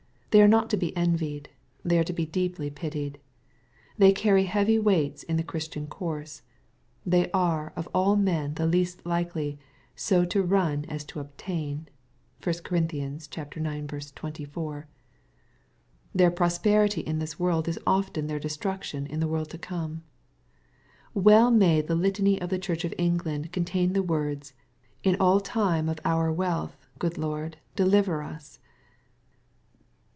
They are not to be envied. They are deeply to be pitied. They carry heavy weights in the Christian course. They are of alj men the least likely " so to run as to obtain.'' (1 Cor. ix. 24.) Their prosperity in this world is often their destruction in the world to come. Well may the Litany of the Church of England contain the words, "In aU time of our wealth, good Lord, deliver us."'